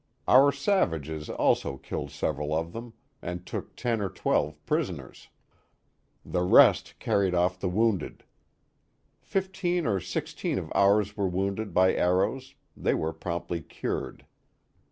Our savages also killed several of them and took ten or twelve prisoners. The rest carried off the wounded. Fifteen or sixteen of ours were wounded by arrows; they were promptly cured.